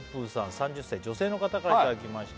３０歳女性の方からいただきました